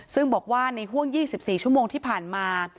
ซึ่งบอกว่าในห่วง๒๔ชั่วโมงที่ผ่านมา